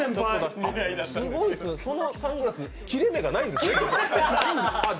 すごいすね、そのサングラス切れ目がないんですね。